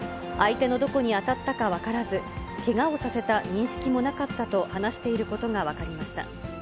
相手のどこに当たったか分からず、けがをさせた認識もなかったと話していることが分かりました。